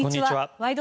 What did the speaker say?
「ワイド！